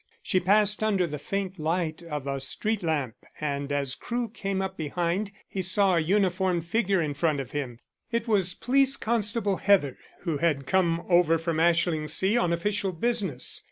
She passed under the faint light of a street lamp, and as Crewe came up behind he saw a uniformed figure in front of him. It was Police Constable Heather who had come over from Ashlingsea on official business.